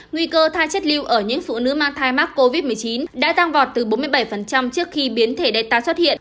nguy cơ tha chất lưu ở những phụ nữ mang thai mắc covid một mươi chín đã tăng vọt từ bốn mươi bảy trước khi biến thể data xuất hiện